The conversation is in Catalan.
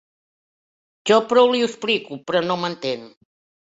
Jo prou li ho explico, però no m'entén.